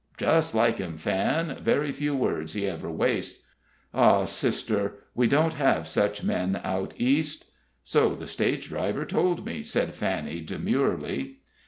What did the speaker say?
"Just like him, Fan; very few words he ever wastes. Ah, sister, we don't have such men out East." "So the stage driver told me," said Fanny, demurely.